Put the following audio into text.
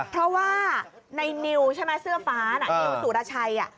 เพราะว่าในนิวเสื้อฟ้านี่นิวสูตรชัย